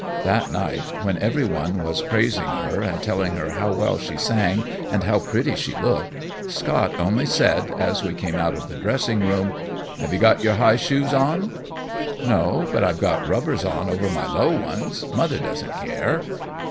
That night, when every one was praising her and telling her how well she sang and how pretty she looked, Scott only said, as we came out of the dressing room: "Have you got your high shoes on?" "No; but I've got rubbers on over my low ones. Mother doesn't care."